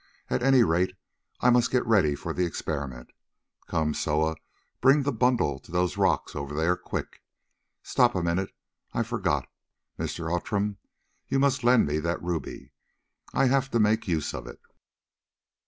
"At any rate, I must get ready for the experiment. Come, Soa, bring the bundle to those rocks over there—quick! Stop a minute—I forgot, Mr. Outram, you must lend me that ruby. I have to make use of it."